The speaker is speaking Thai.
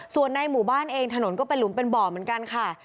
ส่วนในหมู่บ้านเองถนนก็เป็นหลุมเป็นบ่อเหมือนกันค่ะ